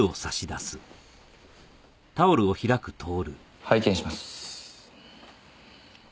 拝見します。